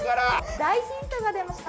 大ヒントが出ました。